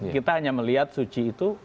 kita hanya melihat suu kyi itu